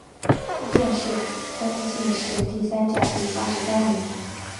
殿试登进士第三甲第八十三名。